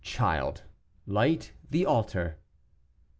Child, light the altar."